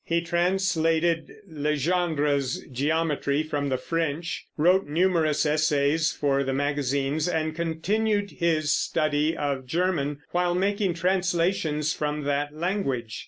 He translated Legendre's Geometry from the French, wrote numerous essays for the magazines, and continued his study of German while making translations from that language.